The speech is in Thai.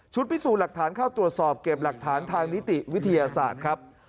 พิสูจน์หลักฐานเข้าตรวจสอบเก็บหลักฐานทางนิติวิทยาศาสตร์ครับ